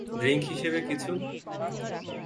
Drink হিসেবে কিছু?